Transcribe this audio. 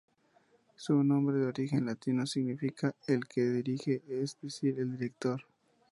Su nombre, de origen latino, significaː "El que dirige", es decir, "director.